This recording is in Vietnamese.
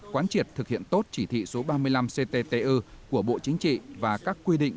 quán triệt thực hiện tốt chỉ thị số ba mươi năm cttu của bộ chính trị và các quy định